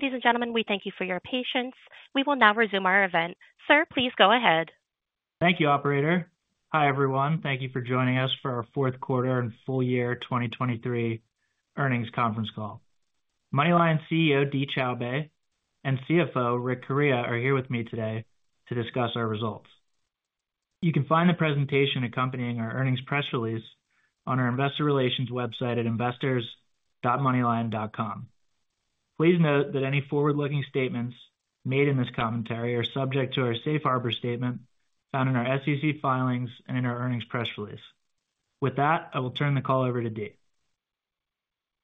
Ladies and gentlemen, we thank you for your patience. We will now resume our event. Sir, please go ahead. Thank you, operator. Hi, everyone. Thank you for joining us for our fourth quarter and full year 2023 earnings conference call. MoneyLion CEO, Dee Choubey, and CFO, Rick Correia, are here with me today to discuss our results. You can find the presentation accompanying our earnings press release on our investor relations website at investors.moneylion.com. Please note that any forward-looking statements made in this commentary are subject to our safe harbor statement found in our SEC filings and in our earnings press release. With that, I will turn the call over to Dee.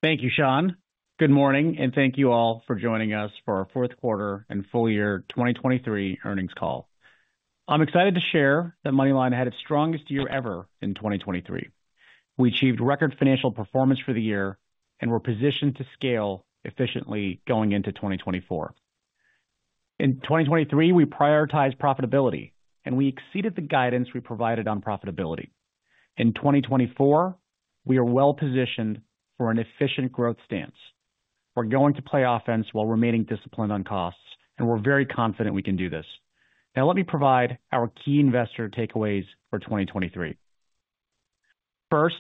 Thank you, Sean. Good morning, and thank you all for joining us for our fourth quarter and full year 2023 earnings call. I'm excited to share that MoneyLion had its strongest year ever in 2023. We achieved record financial performance for the year and we're positioned to scale efficiently going into 2024. In 2023, we prioritized profitability, and we exceeded the guidance we provided on profitability. In 2024, we are well-positioned for an efficient growth stance. We're going to play offense while remaining disciplined on costs, and we're very confident we can do this. Now let me provide our key investor takeaways for 2023. First,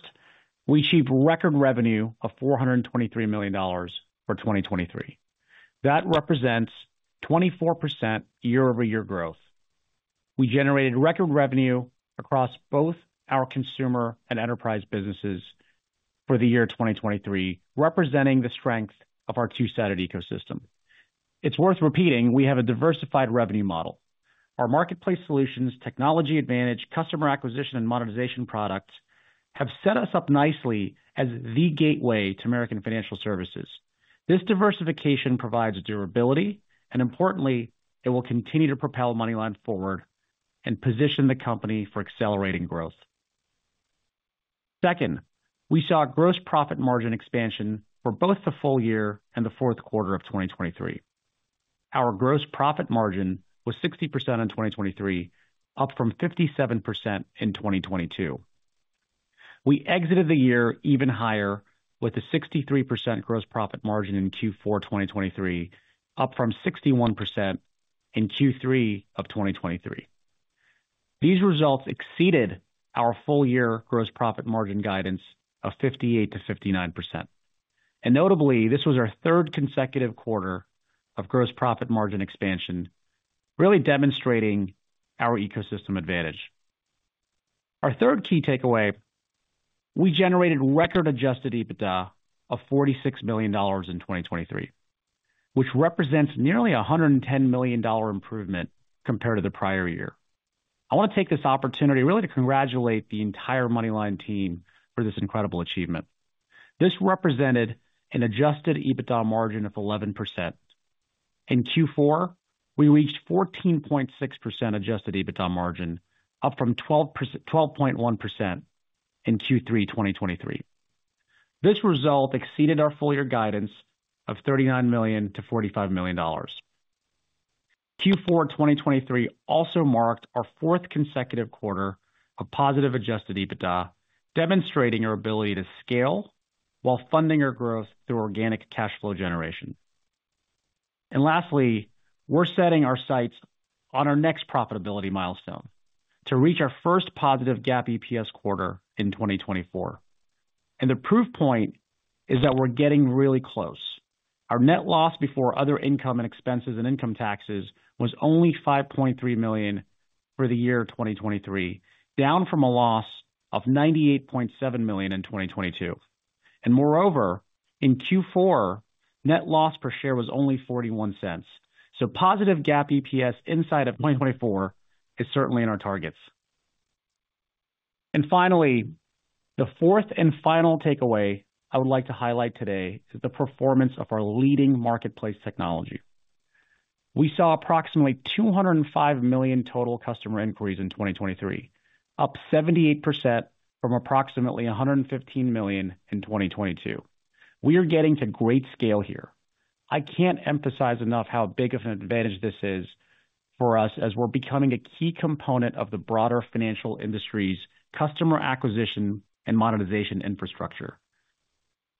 we achieved record revenue of $423 million for 2023. That represents 24% year-over-year growth. We generated record revenue across both our consumer and enterprise businesses for the year 2023, representing the strength of our two-sided ecosystem. It's worth repeating, we have a diversified revenue model. Our marketplace solutions, technology advantage, customer acquisition, and monetization products have set us up nicely as the gateway to American financial services. This diversification provides durability, and importantly, it will continue to propel MoneyLion forward and position the company for accelerating growth. Second, we saw a gross profit margin expansion for both the full year and the fourth quarter of 2023. Our gross profit margin was 60% in 2023, up from 57% in 2022. We exited the year even higher, with a 63% gross profit margin in Q4 2023, up from 61% in Q3 of 2023. These results exceeded our full-year gross profit margin guidance of 58%-59%. Notably, this was our third consecutive quarter of gross profit margin expansion, really demonstrating our ecosystem advantage. Our third key takeaway, we generated record adjusted EBITDA of $46 million in 2023, which represents nearly a $110 million improvement compared to the prior year. I want to take this opportunity really to congratulate the entire MoneyLion team for this incredible achievement. This represented an adjusted EBITDA margin of 11%. In Q4, we reached 14.6% adjusted EBITDA margin, up from 12.1% in Q3 2023. This result exceeded our full-year guidance of $39 million-$45 million. Q4 2023 also marked our fourth consecutive quarter of positive adjusted EBITDA, demonstrating our ability to scale while funding our growth through organic cash flow generation. Lastly, we're setting our sights on our next profitability milestone, to reach our first positive GAAP EPS quarter in 2024. The proof point is that we're getting really close. Our net loss before other income and expenses and income taxes was only $5.3 million for the year 2023, down from a loss of $98.7 million in 2022. Moreover, in Q4, net loss per share was only $0.41. Positive GAAP EPS inside of 2024 is certainly in our targets. Finally, the fourth and final takeaway I would like to highlight today is the performance of our leading marketplace technology. We saw approximately 205 million total customer inquiries in 2023, up 78% from approximately 115 million in 2022. We are getting to great scale here. I can't emphasize enough how big of an advantage this is for us as we're becoming a key component of the broader financial industry's customer acquisition and monetization infrastructure.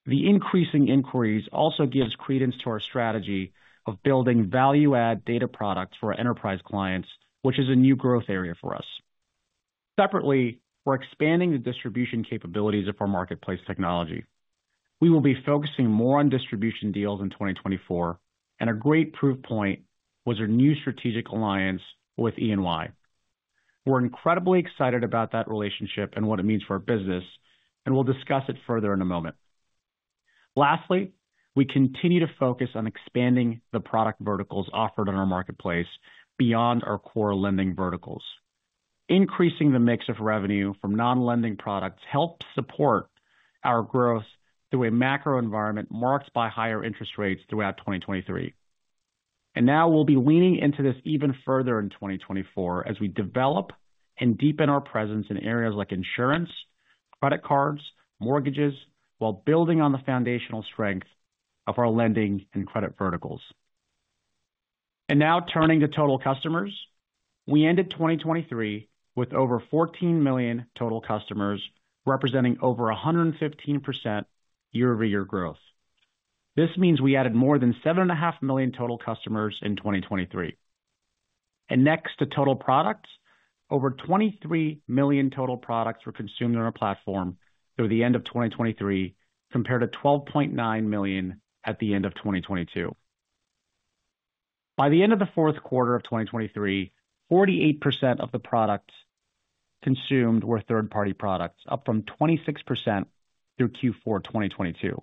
The increasing inquiries also gives credence to our strategy of building value-add data products for our enterprise clients, which is a new growth area for us. Separately, we're expanding the distribution capabilities of our marketplace technology. We will be focusing more on distribution deals in 2024, and a great proof point was our new strategic alliance with E&Y. We're incredibly excited about that relationship and what it means for our business, and we'll discuss it further in a moment. Lastly, we continue to focus on expanding the product verticals offered on our marketplace beyond our core lending verticals. Increasing the mix of revenue from non-lending products helped support our growth through a macro environment marked by higher interest rates throughout 2023. And now we'll be leaning into this even further in 2024 as we develop and deepen our presence in areas like insurance, credit cards, mortgages, while building on the foundational strength of our lending and credit verticals. And now turning to total customers. We ended 2023 with over 14 million total customers, representing over 115% year-over-year growth. This means we added more than 7.5 million total customers in 2023. Next, to total products, over 23 million total products were consumed on our platform through the end of 2023, compared to 12.9 million at the end of 2022. By the end of the fourth quarter of 2023, 48% of the products consumed were third-party products, up from 26% through Q4 2022.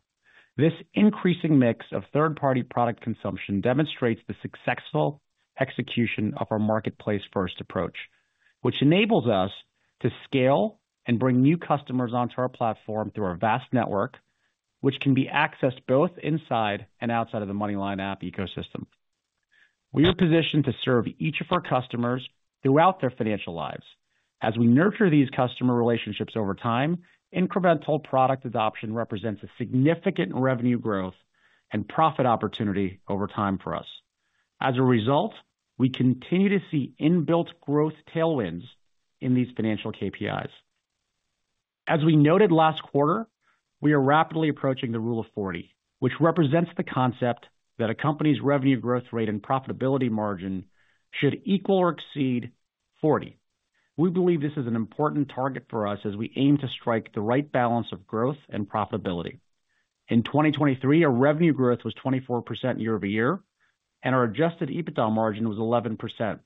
This increasing mix of third-party product consumption demonstrates the successful execution of our marketplace-first approach, which enables us to scale and bring new customers onto our platform through our vast network, which can be accessed both inside and outside of the MoneyLion app ecosystem. We are positioned to serve each of our customers throughout their financial lives. As we nurture these customer relationships over time, incremental product adoption represents a significant revenue growth and profit opportunity over time for us. As a result, we continue to see inbuilt growth tailwinds in these financial KPIs. As we noted last quarter, we are rapidly approaching the Rule of 40, which represents the concept that a company's revenue growth rate and profitability margin should equal or exceed 40. We believe this is an important target for us as we aim to strike the right balance of growth and profitability. In 2023, our revenue growth was 24% year-over-year, and our Adjusted EBITDA margin was 11%,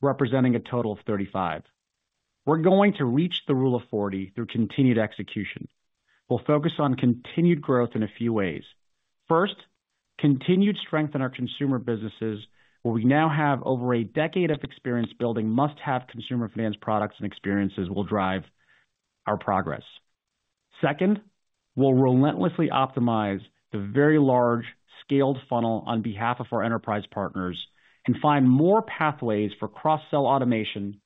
representing a total of 35. We're going to reach the Rule of 40 through continued execution. We'll focus on continued growth in a few ways. First, continued strength in our consumer businesses, where we now have over a decade of experience building must-have consumer finance products and experiences will drive our progress. Second, we'll relentlessly optimize the very large scaled funnel on behalf of our enterprise partners and find more pathways for cross-sell automation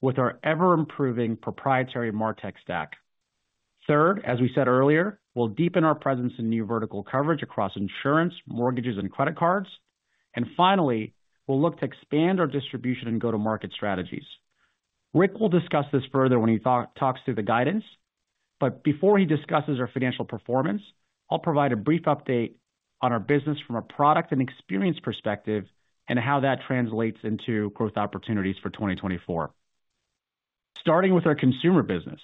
with our ever-improving proprietary MarTech stack. Third, as we said earlier, we'll deepen our presence in new vertical coverage across insurance, mortgages, and credit cards. And finally, we'll look to expand our distribution and go-to-market strategies. Rick will discuss this further when he talks through the guidance, but before he discusses our financial performance, I'll provide a brief update on our business from a product and experience perspective and how that translates into growth opportunities for 2024. Starting with our consumer business,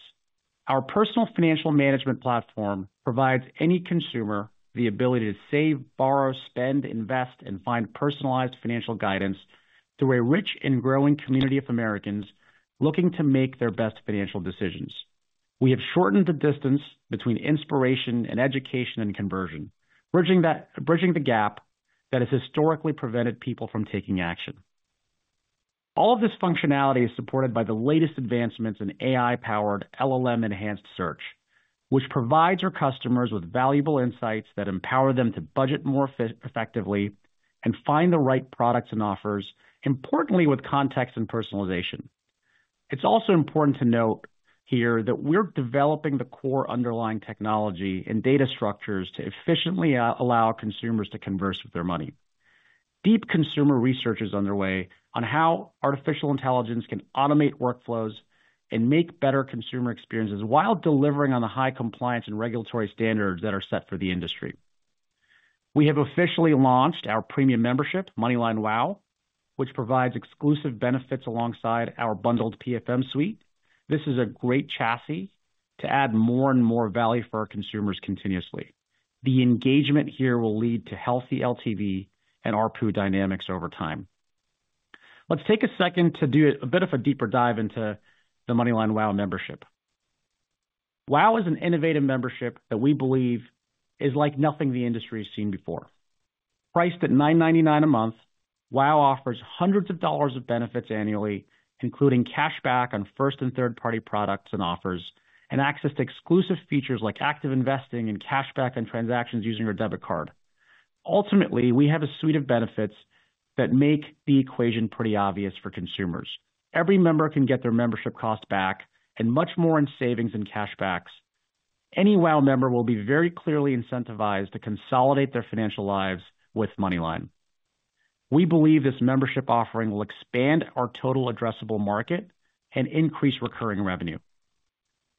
our personal financial management platform provides any consumer the ability to save, borrow, spend, invest, and find personalized financial guidance through a rich and growing community of Americans looking to make their best financial decisions. We have shortened the distance between inspiration and education and conversion, bridging the gap that has historically prevented people from taking action. All of this functionality is supported by the latest advancements in AI-powered, LLM-enhanced search, which provides our customers with valuable insights that empower them to budget more effectively and find the right products and offers, importantly, with context and personalization. It's also important to note here that we're developing the core underlying technology and data structures to efficiently allow consumers to converse with their money. Deep consumer research is underway on how artificial intelligence can automate workflows and make better consumer experiences while delivering on the high compliance and regulatory standards that are set for the industry. We have officially launched our premium membership, MoneyLion WOW, which provides exclusive benefits alongside our bundled PFM suite. This is a great chassis to add more and more value for our consumers continuously. The engagement here will lead to healthy LTV and ARPU dynamics over time. Let's take a second to do a bit of a deeper dive into the MoneyLion WOW membership. WOW is an innovative membership that we believe is like nothing the industry has seen before. Priced at $9.99 a month, WOW offers hundreds of dollars of benefits annually, including cashback on first- and third-party products and offers, and access to exclusive features like active investing and cashback on transactions using your debit card. Ultimately, we have a suite of benefits that make the equation pretty obvious for consumers. Every member can get their membership cost back and much more in savings and cashbacks. Any WOW member will be very clearly incentivized to consolidate their financial lives with MoneyLion. We believe this membership offering will expand our total addressable market and increase recurring revenue.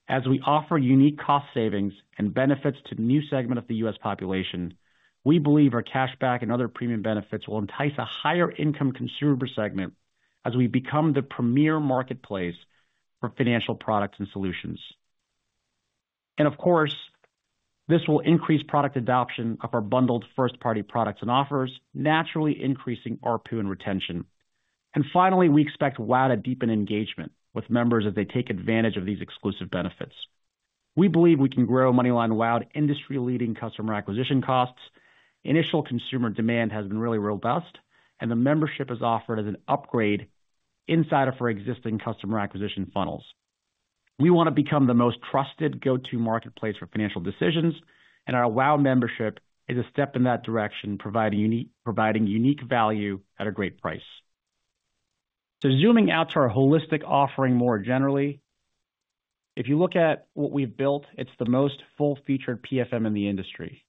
As we offer unique cost savings and benefits to new segment of the U.S. population, we believe our cashback and other premium benefits will entice a higher income consumer segment as we become the premier marketplace for financial products and solutions. And of course, this will increase product adoption of our bundled first-party products and offers, naturally increasing ARPU and retention. And finally, we expect WOW to deepen engagement with members as they take advantage of these exclusive benefits. We believe we can grow MoneyLion WOW industry-leading customer acquisition costs. Initial consumer demand has been really robust, and the membership is offered as an upgrade inside of our existing customer acquisition funnels. We want to become the most trusted go-to marketplace for financial decisions, and our Wow membership is a step in that direction, providing unique value at a great price. So zooming out to our holistic offering more generally, if you look at what we've built, it's the most full-featured PFM in the industry.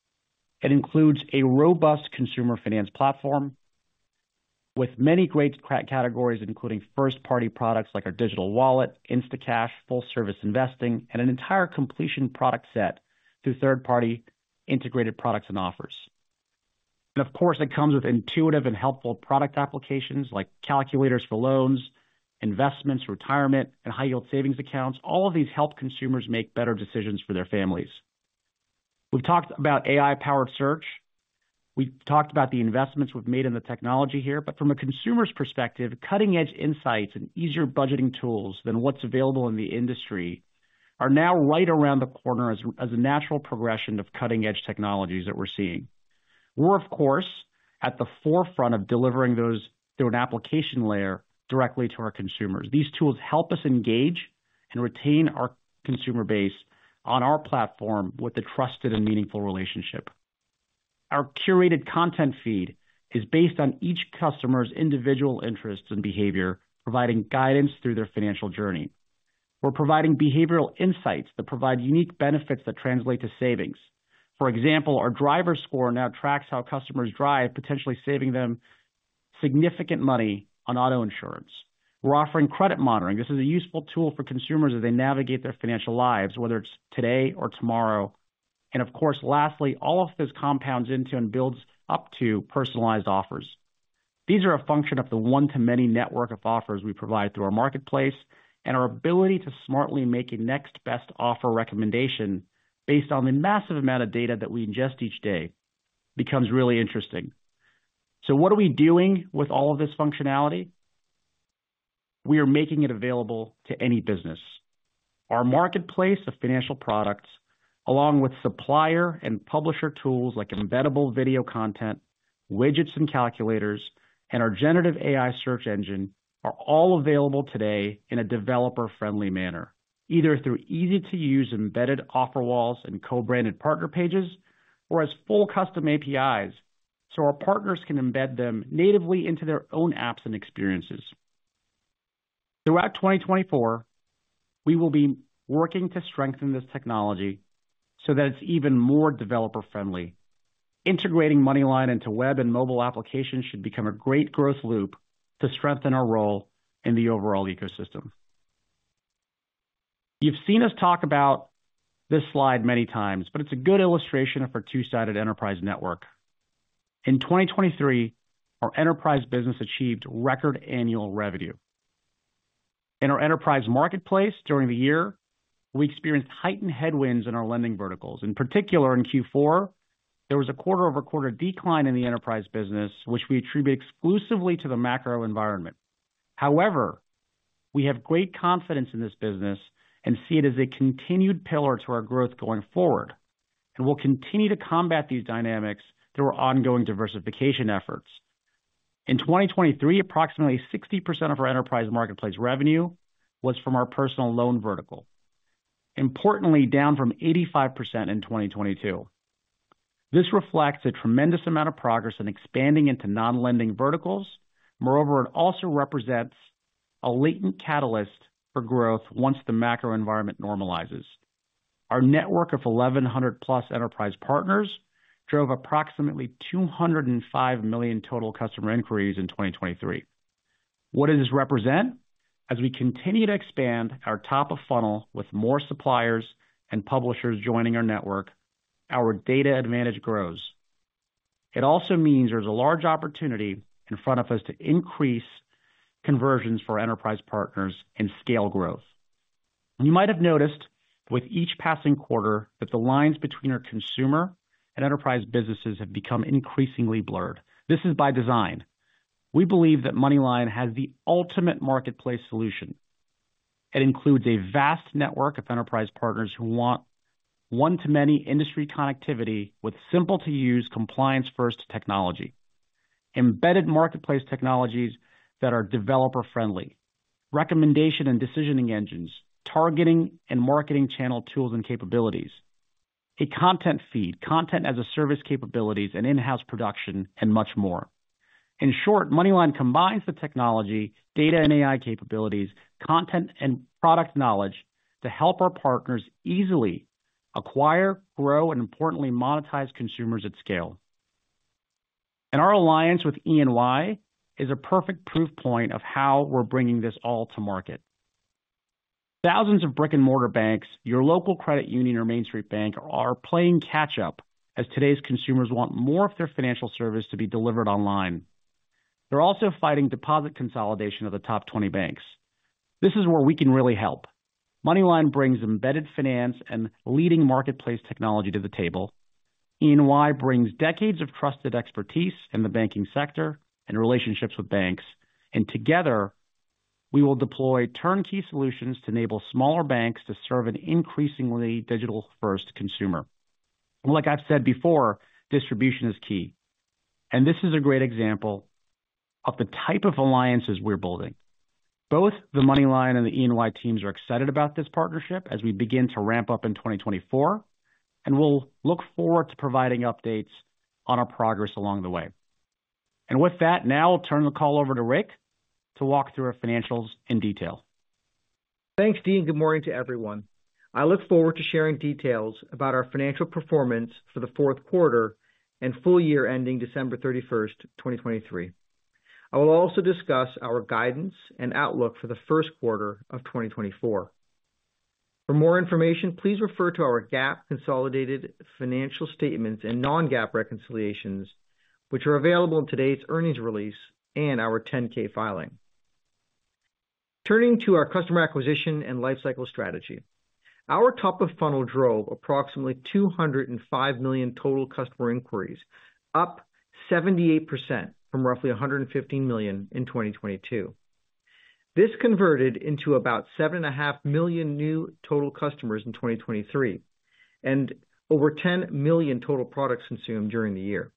It includes a robust consumer finance platform with many great categories, including first-party products like our digital wallet, Instacash, full service investing, and an entire completion product set through third-party integrated products and offers. And of course, it comes with intuitive and helpful product applications like calculators for loans, investments, retirement, and high-yield savings accounts. All of these help consumers make better decisions for their families. We've talked about AI-powered search. We've talked about the investments we've made in the technology here, but from a consumer's perspective, cutting-edge insights and easier budgeting tools than what's available in the industry are now right around the corner as, as a natural progression of cutting-edge technologies that we're seeing. We're, of course, at the forefront of delivering those through an application layer directly to our consumers. These tools help us engage and retain our consumer base on our platform with a trusted and meaningful relationship. Our curated content feed is based on each customer's individual interests and behavior, providing guidance through their financial journey. We're providing behavioral insights that provide unique benefits that translate to savings. For example, our Driver Score now tracks how customers drive, potentially saving them significant money on auto insurance. We're offering credit monitoring. This is a useful tool for consumers as they navigate their financial lives, whether it's today or tomorrow. Of course, lastly, all of this compounds into and builds up to personalized offers. These are a function of the one-to-many network of offers we provide through our marketplace, and our ability to smartly make a next best offer recommendation based on the massive amount of data that we ingest each day becomes really interesting. What are we doing with all of this functionality? We are making it available to any business. Our marketplace of financial products, along with supplier and publisher tools like embeddable video content, widgets and calculators, and our generative AI search engine, are all available today in a developer-friendly manner, either through easy-to-use embedded offer walls and co-branded partner pages, or as full custom APIs, so our partners can embed them natively into their own apps and experiences. Throughout 2024, we will be working to strengthen this technology so that it's even more developer-friendly. Integrating MoneyLion into web and mobile applications should become a great growth loop to strengthen our role in the overall ecosystem. You've seen us talk about this slide many times, but it's a good illustration of our two-sided enterprise network. In 2023, our enterprise business achieved record annual revenue. In our enterprise marketplace, during the year, we experienced heightened headwinds in our lending verticals. In particular, in Q4, there was a quarter-over-quarter decline in the enterprise business, which we attribute exclusively to the macro environment. However, we have great confidence in this business and see it as a continued pillar to our growth going forward, and we'll continue to combat these dynamics through our ongoing diversification efforts. In 2023, approximately 60% of our enterprise marketplace revenue was from our personal loan vertical, importantly, down from 85% in 2022. This reflects a tremendous amount of progress in expanding into non-lending verticals. Moreover, it also represents a latent catalyst for growth once the macro environment normalizes. Our network of 1,100+ enterprise partners drove approximately 205 million total customer inquiries in 2023. What does this represent? As we continue to expand our top of funnel with more suppliers and publishers joining our network, our data advantage grows. It also means there's a large opportunity in front of us to increase conversions for enterprise partners and scale growth. You might have noticed with each passing quarter, that the lines between our consumer and enterprise businesses have become increasingly blurred. This is by design. We believe that MoneyLion has the ultimate marketplace solution. It includes a vast network of enterprise partners who want one-to-many industry connectivity with simple-to-use, compliance-first technology, embedded marketplace technologies that are developer-friendly, recommendation and decisioning engines, targeting and marketing channel tools and capabilities, a content feed, content-as-a-service capabilities and in-house production, and much more. In short, MoneyLion combines the technology, data and AI capabilities, content and product knowledge to help our partners easily acquire, grow, and importantly, monetize consumers at scale. Our alliance with E&Y is a perfect proof point of how we're bringing this all to market. Thousands of brick-and-mortar banks, your local credit union or Main Street bank, are playing catch up, as today's consumers want more of their financial service to be delivered online. They're also fighting deposit consolidation of the top 20 banks. This is where we can really help. MoneyLion brings embedded finance and leading marketplace technology to the table. E&Y brings decades of trusted expertise in the banking sector and relationships with banks, and together, we will deploy turnkey solutions to enable smaller banks to serve an increasingly digital-first consumer. Like I've said before, distribution is key, and this is a great example of the type of alliances we're building. Both the MoneyLion and the E&Y teams are excited about this partnership as we begin to ramp up in 2024 and we'll look forward to providing updates on our progress along the way. With that, now I'll turn the call over to Rick to walk through our financials in detail. Thanks, Dee. Good morning to everyone. I look forward to sharing details about our financial performance for the fourth quarter and full year ending December 31st, 2023. I will also discuss our guidance and outlook for the first quarter of 2024. For more information, please refer to our GAAP consolidated financial statements and non-GAAP reconciliations, which are available in today's earnings release and our 10-K filing. Turning to our customer acquisition and lifecycle strategy, our top of funnel drove approximately 205 million total customer inquiries, up 78% from roughly 115 million in 2022. This converted into about 7.5 million new total customers in 2023, and over 10 million total products consumed during the year.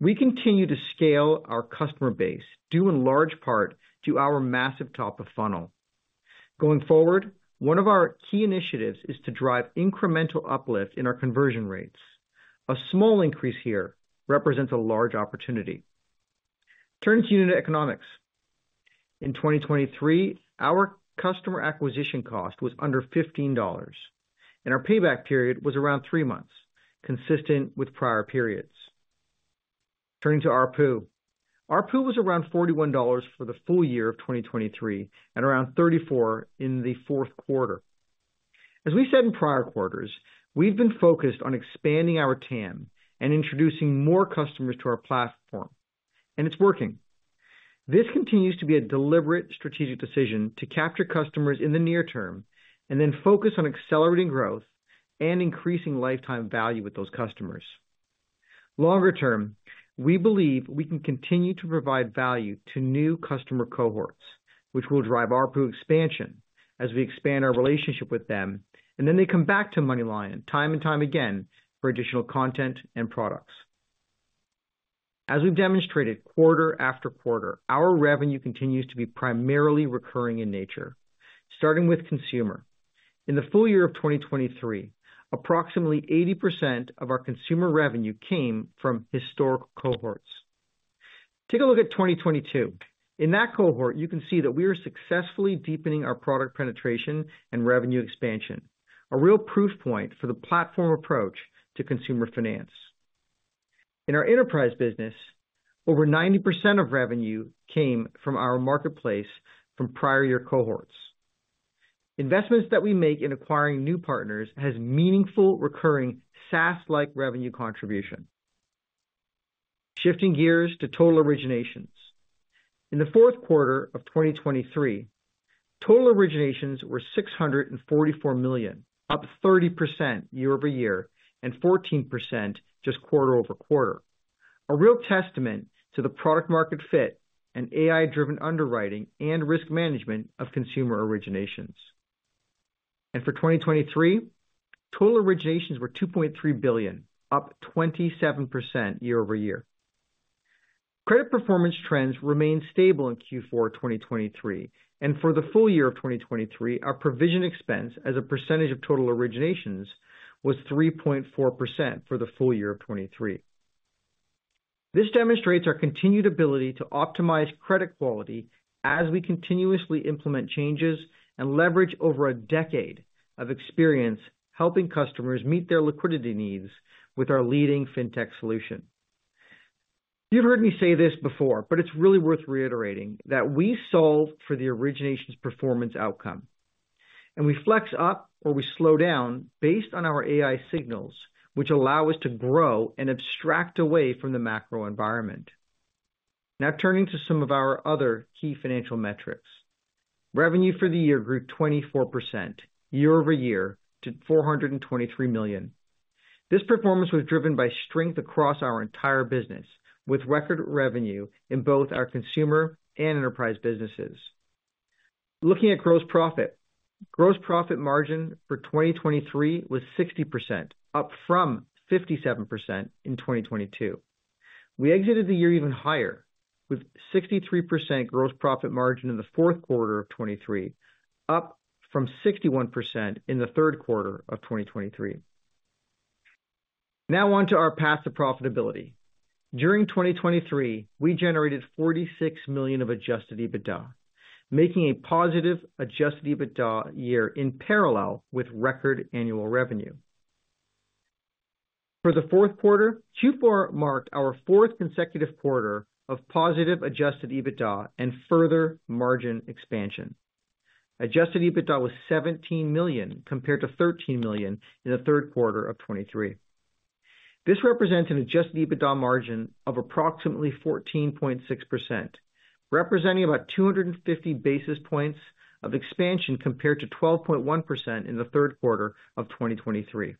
We continue to scale our customer base, due in large part to our massive top of funnel. Going forward, one of our key initiatives is to drive incremental uplift in our conversion rates. A small increase here represents a large opportunity. Turning to unit economics. In 2023, our customer acquisition cost was under $15, and our payback period was around three months, consistent with prior periods. Turning to ARPU. ARPU was around $41 for the full year of 2023, and around $34 in the fourth quarter. As we said in prior quarters, we've been focused on expanding our TAM and introducing more customers to our platform, and it's working. This continues to be a deliberate strategic decision to capture customers in the near term and then focus on accelerating growth and increasing lifetime value with those customers. Longer term, we believe we can continue to provide value to new customer cohorts, which will drive ARPU expansion as we expand our relationship with them, and then they come back to MoneyLion time and time again for additional content and products. As we've demonstrated quarter after quarter, our revenue continues to be primarily recurring in nature, starting with consumer. In the full year of 2023, approximately 80% of our consumer revenue came from historic cohorts. Take a look at 2022. In that cohort, you can see that we are successfully deepening our product penetration and revenue expansion, a real proof point for the platform approach to consumer finance. In our enterprise business, over 90% of revenue came from our marketplace from prior year cohorts. Investments that we make in acquiring new partners has meaningful, recurring, SaaS-like revenue contribution. Shifting gears to total originations. In the fourth quarter of 2023, total originations were $644 million, up 30% year-over-year, and 14% just quarter-over-quarter. A real testament to the product market fit and AI-driven underwriting and risk management of consumer originations. And for 2023, total originations were $2.3 billion, up 27% year-over-year. Credit performance trends remained stable in Q4 2023, and for the full year of 2023, our provision expense as a percentage of total originations was 3.4% for the full year of 2023. This demonstrates our continued ability to optimize credit quality as we continuously implement changes and leverage over a decade of experience helping customers meet their liquidity needs with our leading fintech solution. You've heard me say this before, but it's really worth reiterating, that we solve for the originations performance outcome, and we flex up or we slow down based on our AI signals, which allow us to grow and abstract away from the macro environment. Now, turning to some of our other key financial metrics. Revenue for the year grew 24% year-over-year to $423 million. This performance was driven by strength across our entire business, with record revenue in both our consumer and enterprise businesses. Looking at gross profit. Gross profit margin for 2023 was 60%, up from 57% in 2022. We exited the year even higher, with 63% gross profit margin in the fourth quarter of 2023, up from 61% in the third quarter of 2023. Now on to our path to profitability. During 2023, we generated $46 million of adjusted EBITDA, making a positive adjusted EBITDA year in parallel with record annual revenue. For the fourth quarter, Q4 marked our fourth consecutive quarter of positive adjusted EBITDA and further margin expansion. Adjusted EBITDA was $17 million, compared to $13 million in the third quarter of 2023. This represents an adjusted EBITDA margin of approximately 14.6%, representing about 250 basis points of expansion, compared to 12.1% in the third quarter of 2023.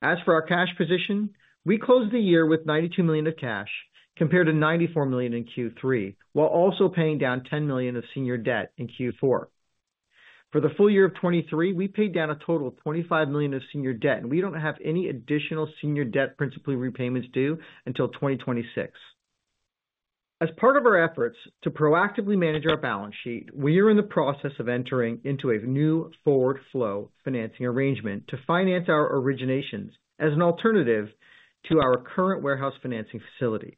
As for our cash position, we closed the year with $92 million of cash, compared to $94 million in Q3, while also paying down $10 million of senior debt in Q4. For the full year of 2023, we paid down a total of $25 million of senior debt, and we don't have any additional senior debt principal repayments due until 2026. As part of our efforts to proactively manage our balance sheet, we are in the process of entering into a new forward flow financing arrangement to finance our originations as an alternative to our current warehouse financing facility.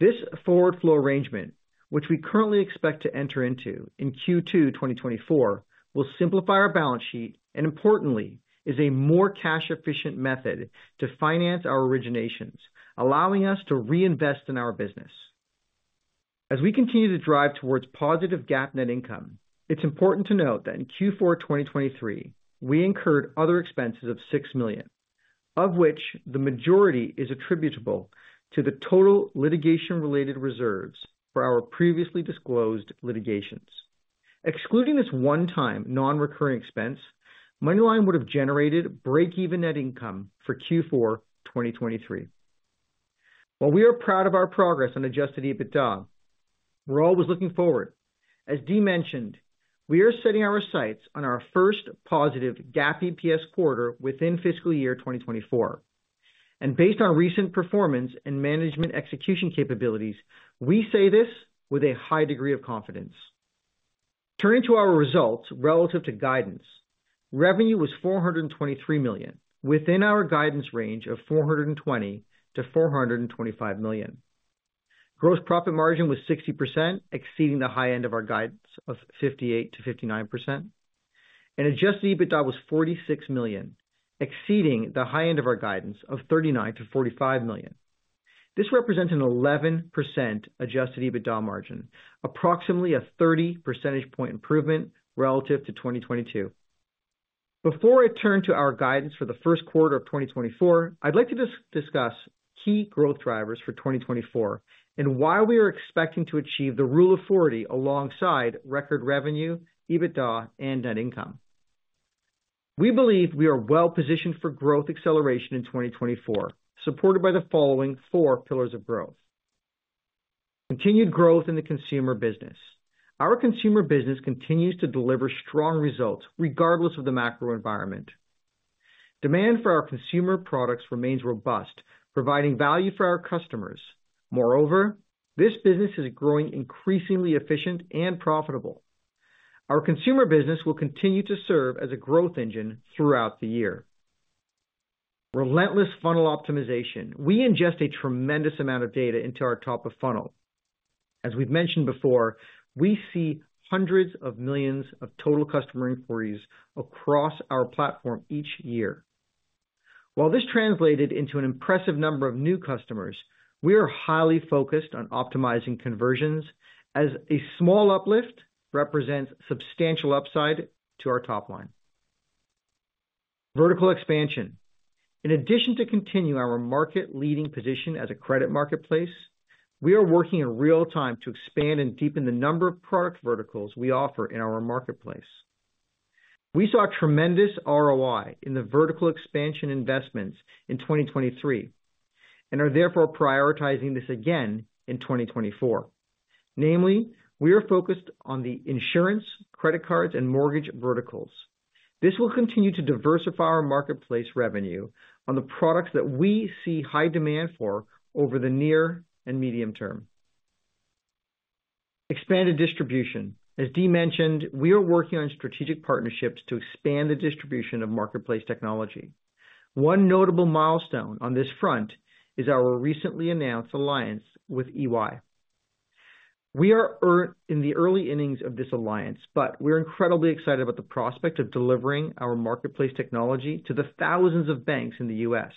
This forward flow arrangement, which we currently expect to enter into in Q2 2024, will simplify our balance sheet and importantly, is a more cash-efficient method to finance our originations, allowing us to reinvest in our business. As we continue to drive towards positive GAAP net income, it's important to note that in Q4 2023, we incurred other expenses of $6 million, of which the majority is attributable to the total litigation-related reserves for our previously disclosed litigations. Excluding this one-time non-recurring expense, MoneyLion would have generated break-even net income for Q4 2023. While we are proud of our progress on Adjusted EBITDA, we're always looking forward. As Dee mentioned, we are setting our sights on our first positive GAAP EPS quarter within fiscal year 2024, and based on recent performance and management execution capabilities, we say this with a high degree of confidence. Turning to our results relative to guidance. Revenue was $423 million, within our guidance range of $420 million-$425 million. Gross profit margin was 60%, exceeding the high end of our guidance of 58%-59%. Adjusted EBITDA was $46 million, exceeding the high end of our guidance of $39 million-$45 million. This represents an 11% Adjusted EBITDA margin, approximately a 30 percentage point improvement relative to 2022. Before I turn to our guidance for the first quarter of 2024, I'd like to discuss key growth drivers for 2024, and why we are expecting to achieve the Rule of 40 alongside record revenue, EBITDA, and net income. We believe we are well-positioned for growth acceleration in 2024, supported by the following four pillars of growth. Continued growth in the consumer business. Our consumer business continues to deliver strong results regardless of the macro environment. Demand for our consumer products remains robust, providing value for our customers. Moreover, this business is growing increasingly efficient and profitable. Our consumer business will continue to serve as a growth engine throughout the year. Relentless funnel optimization. We ingest a tremendous amount of data into our top of funnel. As we've mentioned before, we see hundreds of millions of total customer inquiries across our platform each year. While this translated into an impressive number of new customers, we are highly focused on optimizing conversions, as a small uplift represents substantial upside to our top line. Vertical expansion. In addition to continuing our market-leading position as a credit marketplace, we are working in real time to expand and deepen the number of product verticals we offer in our marketplace. We saw a tremendous ROI in the vertical expansion investments in 2023, and are therefore prioritizing this again in 2024. Namely, we are focused on the insurance, credit cards, and mortgage verticals. This will continue to diversify our marketplace revenue on the products that we see high demand for over the near and medium term. Expanded distribution, as Dee mentioned, we are working on strategic partnerships to expand the distribution of marketplace technology. One notable milestone on this front is our recently announced alliance with EY. We are in the early innings of this alliance, but we're incredibly excited about the prospect of delivering our marketplace technology to the thousands of banks in the U.S.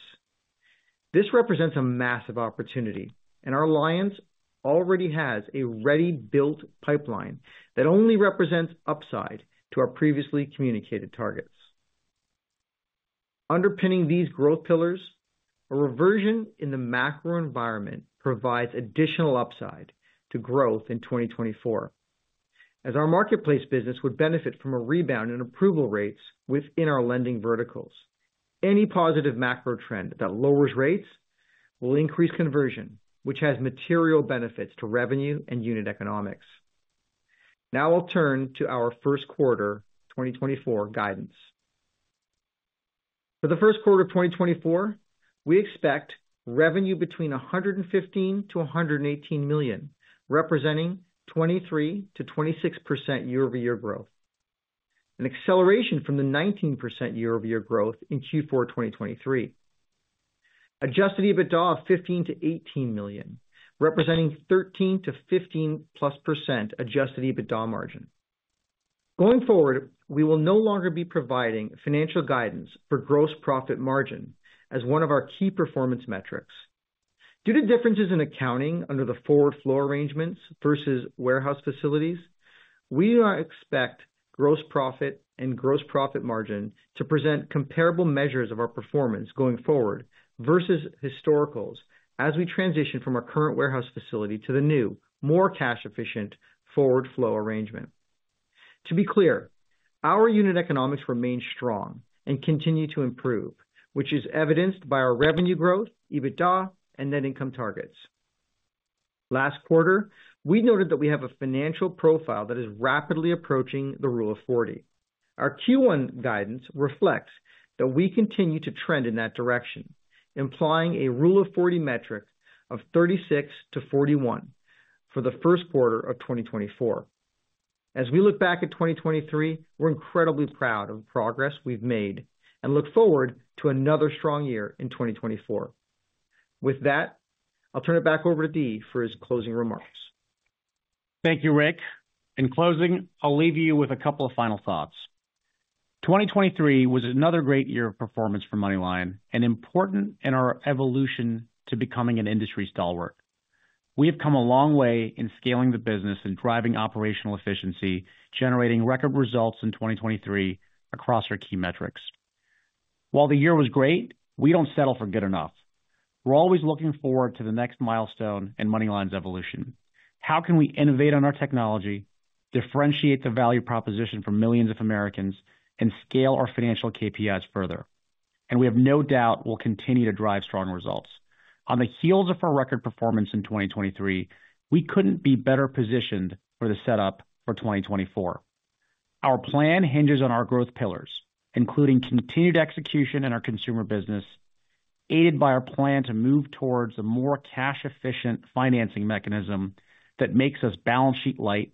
This represents a massive opportunity, and our alliance already has a ready-built pipeline that only represents upside to our previously communicated targets. Underpinning these growth pillars, a reversion in the macro environment provides additional upside to growth in 2024, as our marketplace business would benefit from a rebound in approval rates within our lending verticals. Any positive macro trend that lowers rates will increase conversion, which has material benefits to revenue and unit economics. Now I'll turn to our first quarter 2024 guidance. For the first quarter of 2024, we expect revenue between $115 million-$118 million, representing 23%-26% year-over-year growth, an acceleration from the 19% year-over-year growth in Q4 2023. Adjusted EBITDA of $15 million-$18 million, representing 13%-15%+ adjusted EBITDA margin. Going forward, we will no longer be providing financial guidance for gross profit margin as one of our key performance metrics. Due to differences in accounting under the forward flow arrangements versus warehouse facilities, we do not expect gross profit and gross profit margin to present comparable measures of our performance going forward versus historicals as we transition from our current warehouse facility to the new, more cash-efficient forward flow arrangement. To be clear, our unit economics remain strong and continue to improve, which is evidenced by our revenue growth, EBITDA, and net income targets. Last quarter, we noted that we have a financial profile that is rapidly approaching the Rule of 40. Our Q1 guidance reflects that we continue to trend in that direction, implying a Rule of 40 metric of 36-41 for the first quarter of 2024. As we look back at 2023, we're incredibly proud of the progress we've made and look forward to another strong year in 2024. With that, I'll turn it back over to Dee for his closing remarks. Thank you, Rick. In closing, I'll leave you with a couple of final thoughts. 2023 was another great year of performance for MoneyLion, and important in our evolution to becoming an industry stalwart. We have come a long way in scaling the business and driving operational efficiency, generating record results in 2023 across our key metrics. While the year was great, we don't settle for good enough. We're always looking forward to the next milestone in MoneyLion's evolution. How can we innovate on our technology, differentiate the value proposition for millions of Americans, and scale our financial KPIs further? And we have no doubt we'll continue to drive strong results. On the heels of our record performance in 2023, we couldn't be better positioned for the setup for 2024. Our plan hinges on our growth pillars, including continued execution in our consumer business, aided by our plan to move towards a more cash-efficient financing mechanism that makes us balance sheet light.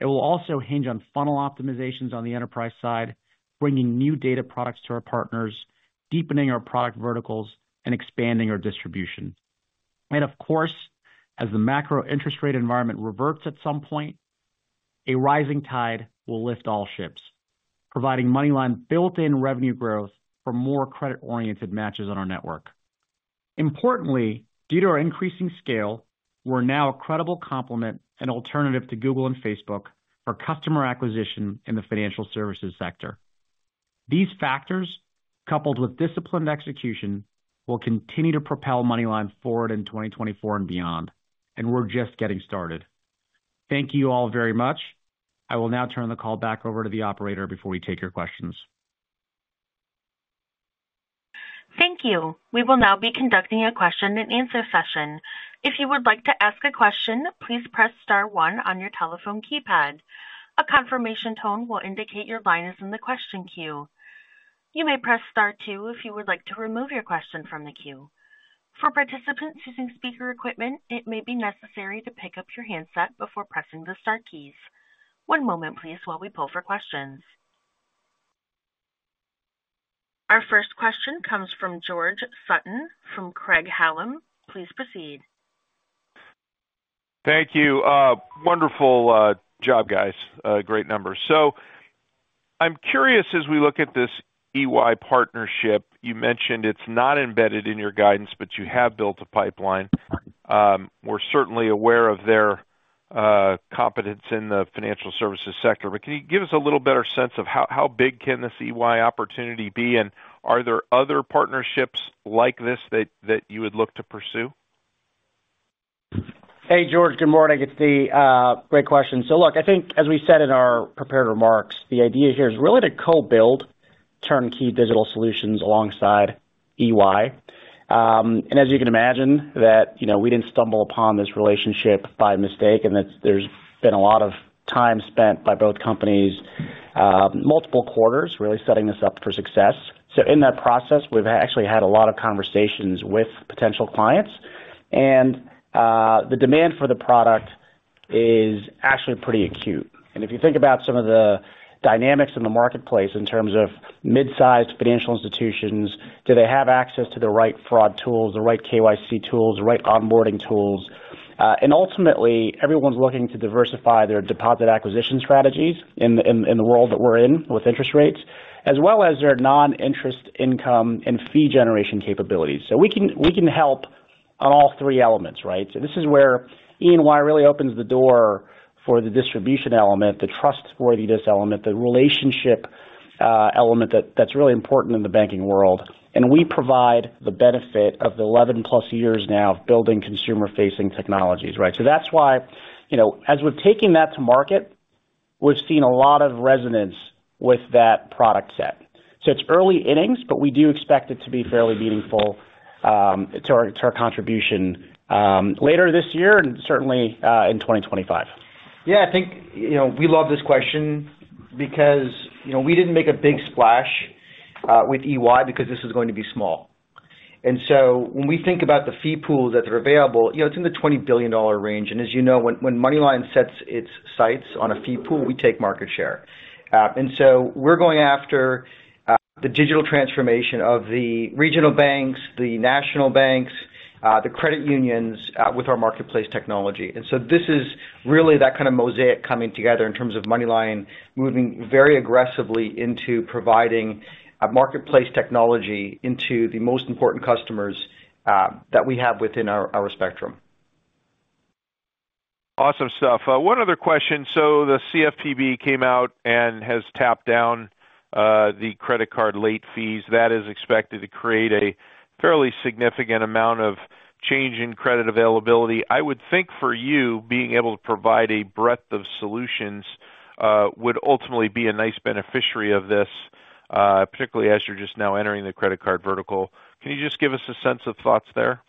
It will also hinge on funnel optimizations on the enterprise side, bringing new data products to our partners, deepening our product verticals, and expanding our distribution. Of course, as the macro interest rate environment reverts at some point, a rising tide will lift all ships, providing MoneyLion built-in revenue growth for more credit-oriented matches on our network. Importantly, due to our increasing scale, we're now a credible complement and alternative to Google and Facebook for customer acquisition in the financial services sector. These factors, coupled with disciplined execution, will continue to propel MoneyLion forward in 2024 and beyond, and we're just getting started. Thank you all very much. I will now turn the call back over to the operator before we take your questions. Thank you. We will now be conducting a question-and-answer session. If you would like to ask a question, please press star one on your telephone keypad. A confirmation tone will indicate your line is in the question queue. You may press star two if you would like to remove your question from the queue. For participants using speaker equipment, it may be necessary to pick up your handset before pressing the star keys. One moment please while we poll for questions. Our first question comes from George Sutton from Craig-Hallum. Please proceed. Thank you. Wonderful job, guys. Great numbers. So I'm curious, as we look at this EY partnership, you mentioned it's not embedded in your guidance, but you have built a pipeline. We're certainly aware of their competence in the financial services sector, but can you give us a little better sense of how big can this EY opportunity be, and are there other partnerships like this that you would look to pursue? Hey, George. Good morning. It's Dee. Great question. So look, I think as we said in our prepared remarks, the idea here is really to co-build turnkey digital solutions alongside EY. And as you can imagine, that, you know, we didn't stumble upon this relationship by mistake, and that there's been a lot of time spent by both companies, multiple quarters, really setting this up for success. So in that process, we've actually had a lot of conversations with potential clients, and, the demand for the product is actually pretty acute. And if you think about some of the dynamics in the marketplace in terms of mid-sized financial institutions, do they have access to the right fraud tools, the right KYC tools, the right onboarding tools. Ultimately, everyone's looking to diversify their deposit acquisition strategies in the world that we're in with interest rates, as well as their non-interest income and fee generation capabilities. So we can, we can help on all three elements, right? So this is where E&Y really opens the door for the distribution element, the trustworthiness element, the relationship element, that's really important in the banking world. And we provide the benefit of the eleven-plus years now of building consumer-facing technologies, right? So that's why, you know, as we're taking that to market, we've seen a lot of resonance with that product set. So it's early innings, but we do expect it to be fairly meaningful to our, to our contribution later this year and certainly in 2025. Yeah, I think, you know, we love this question because, you know, we didn't make a big splash with EY because this is going to be small. And so when we think about the fee pools that are available, you know, it's in the $20 billion range, and as you know, when MoneyLion sets its sights on a fee pool, we take market share. And so we're going after the digital transformation of the regional banks, the national banks, the credit unions with our marketplace technology. And so this is really that kind of mosaic coming together in terms of MoneyLion moving very aggressively into providing a marketplace technology into the most important customers that we have within our spectrum. Awesome stuff. One other question. So the CFPB came out and has capped down the credit card late fees. That is expected to create a fairly significant amount of change in credit availability. I would think for you, being able to provide a breadth of solutions, would ultimately be a nice beneficiary of this, particularly as you're just now entering the credit card vertical. Can you just give us a sense of thoughts there?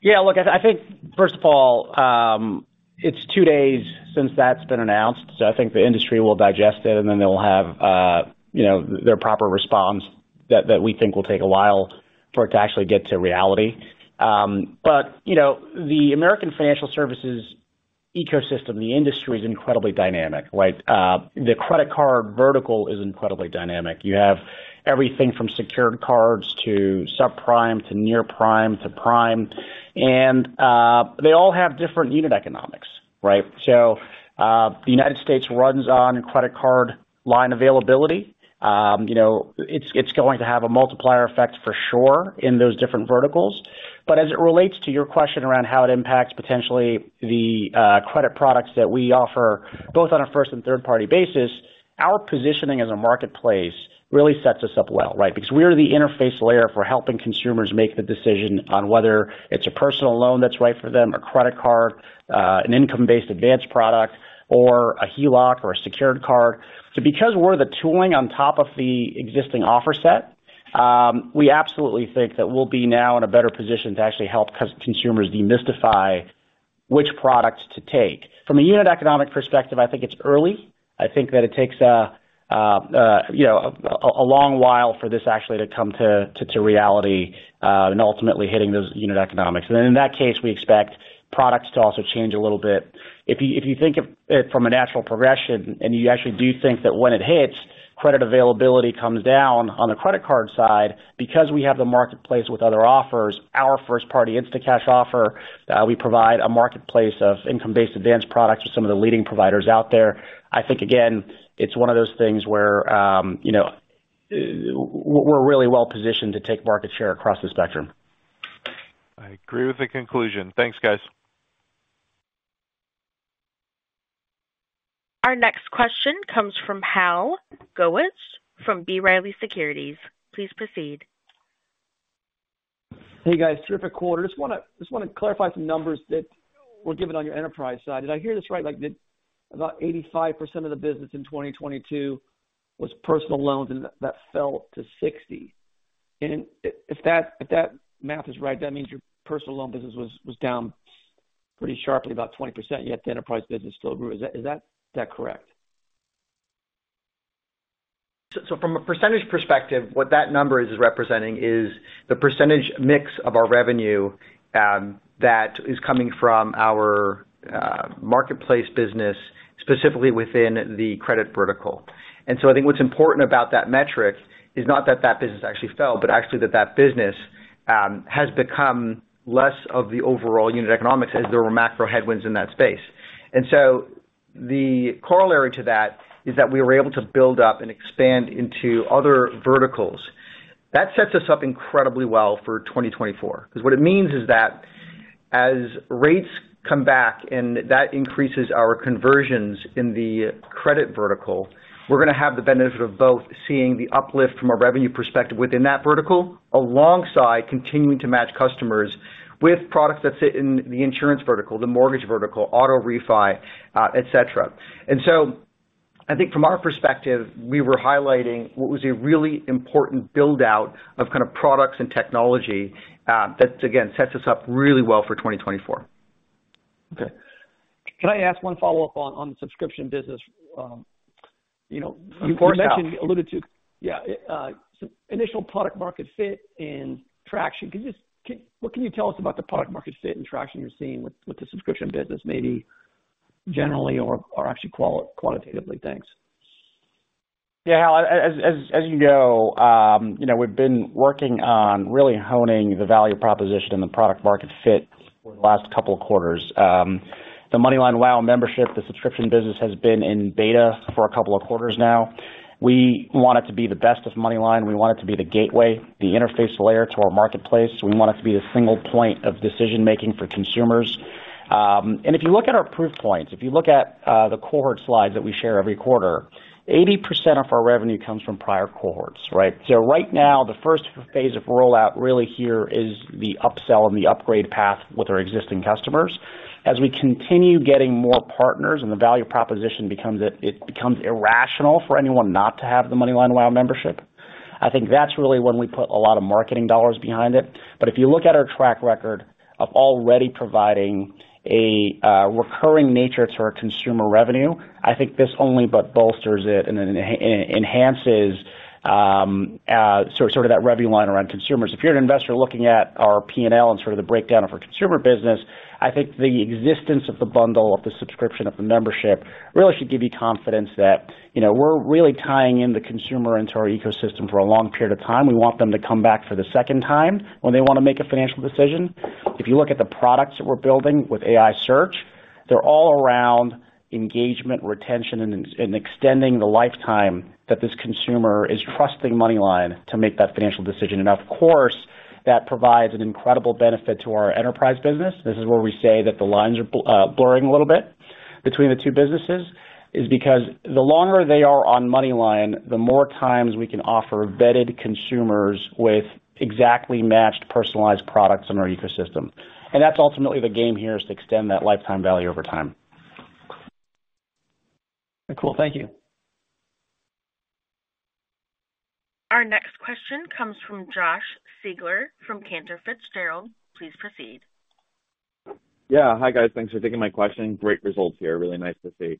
Yeah, look, I think first of all, it's two days since that's been announced, so I think the industry will digest it, and then they'll have, you know, their proper response that we think will take a while for it to actually get to reality. But, you know, the American financial services ecosystem, the industry is incredibly dynamic, right? The credit card vertical is incredibly dynamic. You have everything from secured cards to subprime, to near prime, to prime, and they all have different unit economics, right? So, the United States runs on credit card line availability. You know, it's going to have a multiplier effect for sure in those different verticals. But as it relates to your question around how it impacts potentially the credit products that we offer, both on a first and third party basis, our positioning as a marketplace really sets us up well, right? Because we're the interface layer for helping consumers make the decision on whether it's a personal loan that's right for them, a credit card, an income-based advance product, or a HELOC or a secured card. So because we're the tooling on top of the existing offer set, we absolutely think that we'll be now in a better position to actually help consumers demystify which products to take. From a unit economic perspective, I think it's early. I think that it takes a you know, a long while for this actually to come to reality, and ultimately hitting those unit economics. In that case, we expect products to also change a little bit. If you think of it from a natural progression, and you actually do think that when it hits, credit availability comes down on the credit card side, because we have the marketplace with other offers, our first party Instacash offer, we provide a marketplace of income-based advance products with some of the leading providers out there. I think, again, it's one of those things where, you know, we're really well positioned to take market share across the spectrum. I agree with the conclusion. Thanks, guys. Our next question comes from Hal Goetsch from B. Riley Securities. Please proceed. Hey, guys, terrific quarter. Just wanna, just wanna clarify some numbers that were given on your enterprise side. Did I hear this right, like, did about 85% of the business in 2022 was personal loans, and that fell to 60%? And if, if that, if that math is right, that means your personal loan business was, was down pretty sharply, about 20%, yet the enterprise business still grew. Is that, is that, that correct? So from a percentage perspective, what that number is representing is the percentage mix of our revenue that is coming from our marketplace business, specifically within the credit vertical. And so I think what's important about that metric is not that business actually fell, but actually that that business has become less of the overall unit economics as there were macro headwinds in that space. And so the corollary to that is that we were able to build up and expand into other verticals. That sets us up incredibly well for 2024, because what it means is that as rates come back and that increases our conversions in the credit vertical, we're gonna have the benefit of both seeing the uplift from a revenue perspective within that vertical, alongside continuing to match customers with products that fit in the insurance vertical, the mortgage vertical, auto refi, et cetera. And so I think from our perspective, we were highlighting what was a really important build-out of kind of products and technology, that again, sets us up really well for 2024. Okay. Can I ask one follow-up on, on the subscription business? You know- Of course, Hal. You alluded to... Yeah, initial product market fit and traction. What can you tell us about the product market fit and traction you're seeing with the subscription business, maybe generally or actually quantitatively? Thanks. Yeah, Hal, as you know, you know, we've been working on really honing the value proposition and the product market fit for the last couple of quarters. The MoneyLion WOW membership, the subscription business, has been in beta for a couple of quarters now. We want it to be the best of MoneyLion. We want it to be the gateway, the interface layer to our marketplace. We want it to be the single point of decision-making for consumers. And if you look at our proof points, if you look at the cohort slides that we share every quarter, 80% of our revenue comes from prior cohorts, right? So right now, the first phase of rollout really here is the upsell and the upgrade path with our existing customers. As we continue getting more partners and the value proposition becomes it becomes irrational for anyone not to have the MoneyLion WOW membership, I think that's really when we put a lot of marketing dollars behind it. But if you look at our track record of already providing a recurring nature to our consumer revenue, I think this only but bolsters it and enhances sort of that revenue line around consumers. If you're an investor looking at our P&L and sort of the breakdown of our consumer business, I think the existence of the bundle, of the subscription, of the membership, really should give you confidence that, you know, we're really tying in the consumer into our ecosystem for a long period of time. We want them to come back for the second time when they wanna make a financial decision. If you look at the products that we're building with AI search, they're all around engagement, retention, and extending the lifetime that this consumer is trusting MoneyLion to make that financial decision. And of course, that provides an incredible benefit to our enterprise business. This is where we say that the lines are blurring a little bit between the two businesses, is because the longer they are on MoneyLion, the more times we can offer vetted consumers with exactly matched, personalized products in our ecosystem. And that's ultimately the game here, is to extend that lifetime value over time. Cool. Thank you. Our next question comes from Josh Sigler from Cantor Fitzgerald. Please proceed. Yeah. Hi, guys. Thanks for taking my question. Great results here. Really nice to see.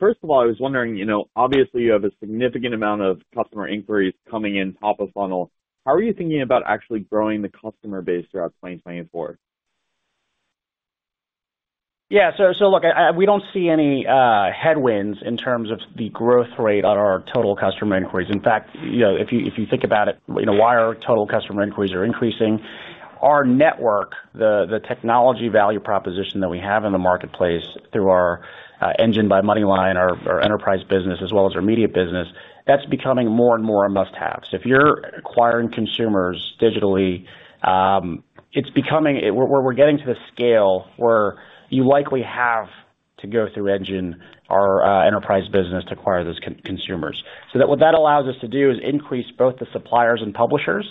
First of all, I was wondering, you know, obviously, you have a significant amount of customer inquiries coming in top of funnel. How are you thinking about actually growing the customer base throughout 2024? Yeah, so, so look, I, we don't see any headwinds in terms of the growth rate on our total customer inquiries. In fact, you know, if you, if you think about it, you know, why our total customer inquiries are increasing, our network, the, the technology value proposition that we have in the marketplace through our Engine by MoneyLion, our, our enterprise business, as well as our media business, that's becoming more and more a must-have. So if you're acquiring consumers digitally, it's becoming we're, we're getting to the scale where you likely have to go through Engine, our enterprise business, to acquire those consumers. So that, what that allows us to do is increase both the suppliers and publishers,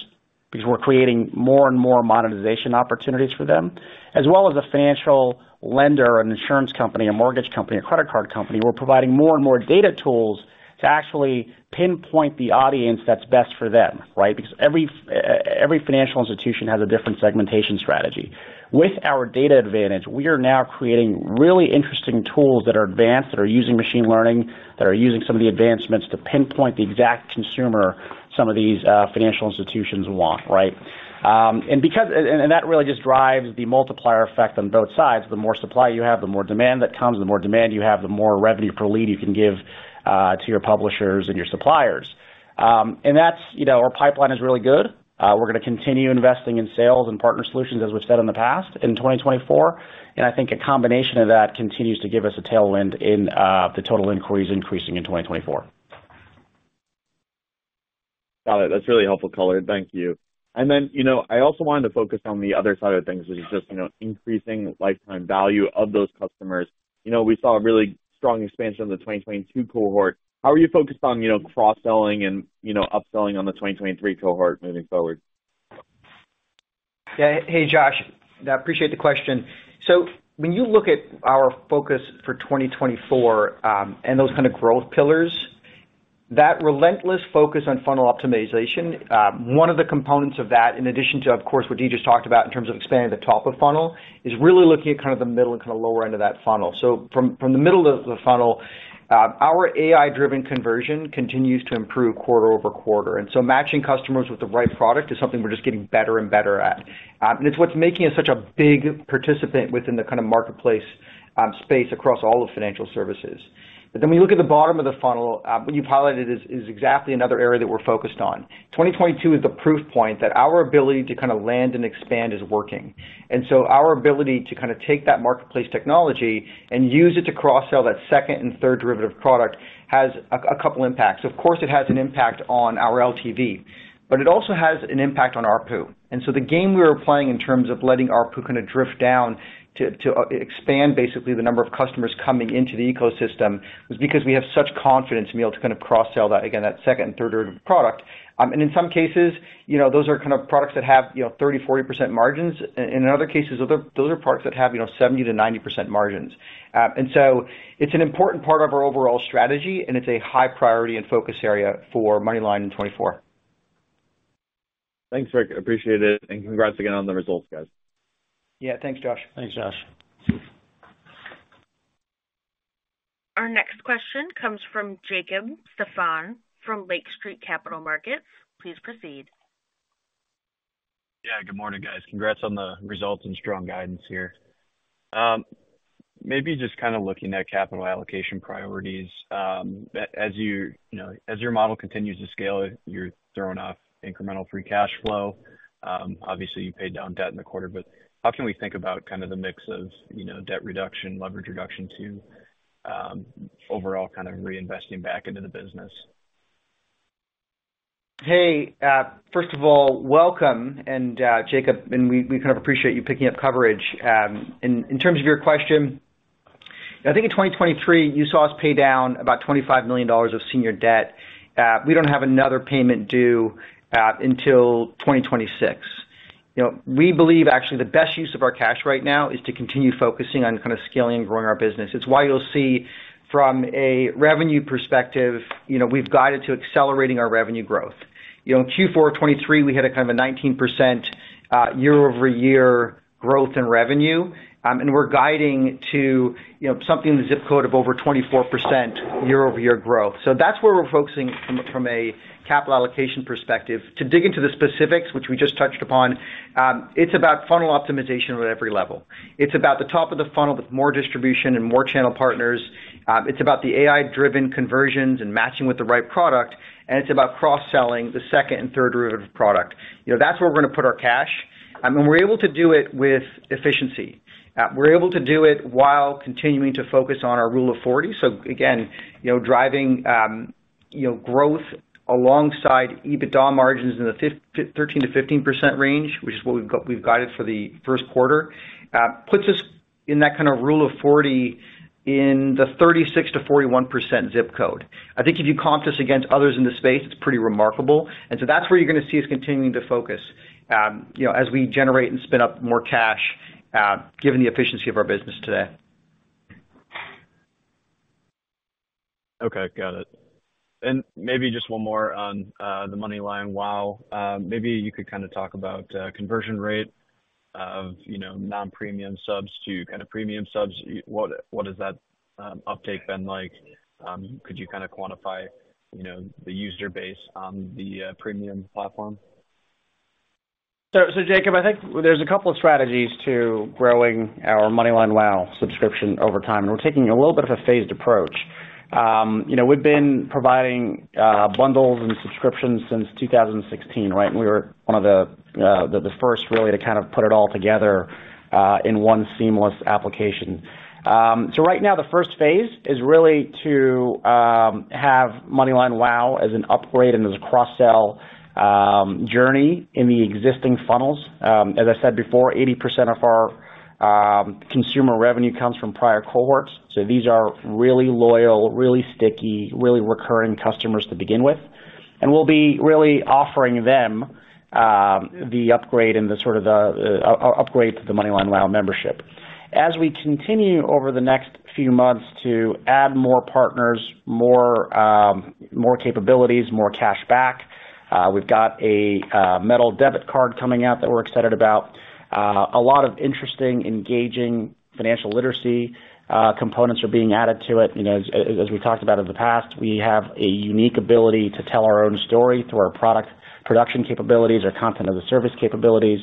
because we're creating more and more monetization opportunities for them, as well as a financial lender, an insurance company, a mortgage company, a credit card company. We're providing more and more data tools to actually pinpoint the audience that's best for them, right? Because every financial institution has a different segmentation strategy. With our data advantage, we are now creating really interesting tools that are advanced, that are using machine learning, that are using some of the advancements to pinpoint the exact consumer some of these financial institutions want, right? And, and that really just drives the multiplier effect on both sides. The more supply you have, the more demand that comes. The more demand you have, the more revenue per lead you can give to your publishers and your suppliers. And that's you know, our pipeline is really good. We're gonna continue investing in sales and partner solutions, as we've said in the past, in 2024, and I think a combination of that continues to give us a tailwind in the total inquiries increasing in 2024. Got it. That's really helpful color. Thank you. And then, you know, I also wanted to focus on the other side of things, which is just, you know, increasing lifetime value of those customers. You know, we saw a really strong expansion of the 2022 cohort. How are you focused on, you know, cross-selling and, you know, upselling on the 2023 cohort moving forward? Yeah. Hey, Josh. I appreciate the question. So when you look at our focus for 2024, and those kind of growth pillars, that relentless focus on funnel optimization, one of the components of that, in addition to, of course, what you just talked about in terms of expanding the top of funnel, is really looking at kind of the middle and kind of lower end of that funnel. So from the middle of the funnel, our AI-driven conversion continues to improve quarter-over-quarter, and so matching customers with the right product is something we're just getting better and better at. And it's what's making us such a big participant within the kind of marketplace space across all of financial services. But then we look at the bottom of the funnel, what you've highlighted is exactly another area that we're focused on. 2022 is the proof point that our ability to kind of land and expand is working. And so our ability to kind of take that marketplace technology and use it to cross-sell that second and third derivative product has a couple impacts. Of course, it has an impact on our LTV, but it also has an impact on ARPU. And so the game we're playing in terms of letting ARPU kind of drift down to expand basically the number of customers coming into the ecosystem, is because we have such confidence in being able to kind of cross-sell that, again, that second and third derivative product. In some cases, you know, those are kind of products that have, you know, 30%-40% margins. And in other cases, those are products that have, you know, 70%-90% margins. And so it's an important part of our overall strategy, and it's a high priority and focus area for MoneyLion in 2024. Thanks, Rick. Appreciate it, and congrats again on the results, guys. Yeah, thanks, Josh. Thanks, Josh. Our next question comes from Jacob Stephan from Lake Street Capital Markets. Please proceed. Yeah, good morning, guys. Congrats on the results and strong guidance here. Maybe just kind of looking at capital allocation priorities. As you, you know, as your model continues to scale, you're throwing off incremental free cash flow. Obviously, you paid down debt in the quarter, but how can we think about kind of the mix of, you know, debt reduction, leverage reduction, to overall kind of reinvesting back into the business? Hey, first of all, welcome, and Jacob, and we kind of appreciate you picking up coverage. In terms of your question, I think in 2023, you saw us pay down about $25 million of senior debt. We don't have another payment due until 2026. You know, we believe actually the best use of our cash right now is to continue focusing on kind of scaling and growing our business. It's why you'll see from a revenue perspective, you know, we've guided to accelerating our revenue growth. You know, in Q4 of 2023, we had a kind of a 19% year-over-year growth in revenue, and we're guiding to, you know, something in the zip code of over 24% year-over-year growth. So that's where we're focusing from a capital allocation perspective. To dig into the specifics, which we just touched upon, it's about funnel optimization at every level. It's about the top of the funnel with more distribution and more channel partners. It's about the AI-driven conversions and matching with the right product, and it's about cross-selling the second and third derivative product. You know, that's where we're gonna put our cash, and we're able to do it with efficiency. We're able to do it while continuing to focus on our Rule of 40. So again, you know, driving, you know, growth alongside EBITDA margins in the 13%-15% range, which is what we've guided for the first quarter, puts us in that kind of Rule of 40 in the 36%-41% zip code. I think if you comp this against others in the space, it's pretty remarkable. That's where you're gonna see us continuing to focus, you know, as we generate and spin up more cash, given the efficiency of our business today. Okay, got it. And maybe just one more on the MoneyLion WOW. Maybe you could kind of talk about conversion rate of, you know, non-premium subs to kind of premium subs. What has that uptake been like? Could you kind of quantify, you know, the user base on the premium platform? So, Jacob, I think there's a couple of strategies to growing our MoneyLion WOW subscription over time, and we're taking a little bit of a phased approach. You know, we've been providing bundles and subscriptions since 2016, right? And we were one of the first really to kind of put it all together in one seamless application. So right now, the first phase is really to have MoneyLion WOW as an upgrade and as a cross-sell journey in the existing funnels. As I said before, 80% of our consumer revenue comes from prior cohorts, so these are really loyal, really sticky, really recurring customers to begin with. And we'll be really offering them the upgrade and the sort of upgrade to the MoneyLion WOW membership. As we continue over the next few months to add more partners, more capabilities, more cash back, we've got a metal debit card coming out that we're excited about. A lot of interesting, engaging financial literacy components are being added to it. You know, as we talked about in the past, we have a unique ability to tell our own story through our product production capabilities or content as a service capabilities.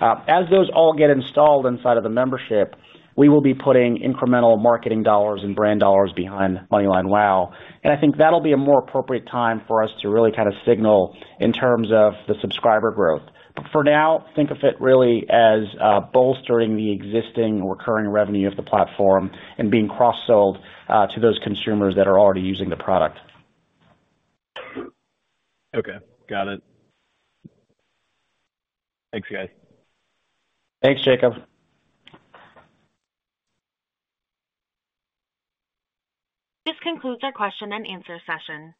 As those all get installed inside of the membership, we will be putting incremental marketing dollars and brand dollars behind MoneyLion WOW! And I think that'll be a more appropriate time for us to really kind of signal in terms of the subscriber growth. But for now, think of it really as bolstering the existing recurring revenue of the platform and being cross-sold to those consumers that are already using the product. Okay, got it. Thanks, guys. Thanks, Jacob. This concludes our question and answer session.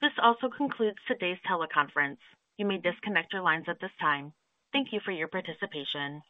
This also concludes today's teleconference. You may disconnect your lines at this time. Thank you for your participation.